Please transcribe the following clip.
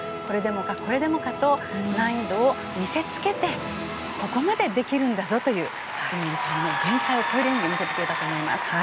これでもかと難易度を見せつけてここまでできるんだぞという乾さんの限界を超える演技を見せてくれたと思います。